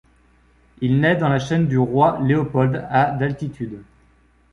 Il nait dans la Chaîne du roi Léopold à d'altitude.